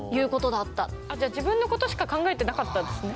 あじゃあ自分のことしか考えてなかったんですね。